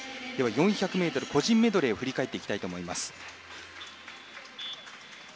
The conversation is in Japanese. ４００ｍ個人メドレーを振り返っていきたいと思います。